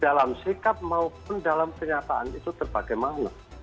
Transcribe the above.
dalam sikap maupun dalam kenyataan itu terpakai mana